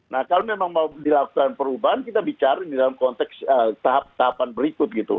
nah kalau memang mau dilakukan perubahan kita bicara di dalam konteks tahap tahapan berikut gitu